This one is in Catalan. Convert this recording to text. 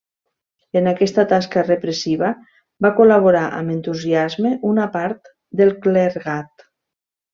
En aquesta tasca repressiva va col·laborar amb entusiasme una part del clergat.